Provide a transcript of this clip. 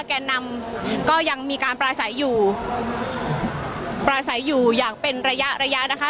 แก่นำก็ยังมีการปราศัยอยู่ประสัยอยู่อย่างเป็นระยะระยะนะคะ